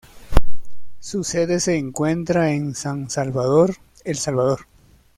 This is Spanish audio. Su sede se encuentra en San Salvador, El Salvador.